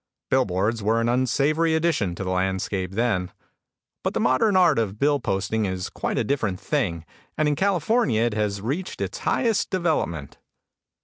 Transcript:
Billboards were an unsavory addition to the landscape then. But the modern art of bill posting is quite a different thing and in California it has reached its highest development.